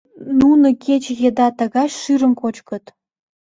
Нуно кече еда тыгай шӱрым кочкыт.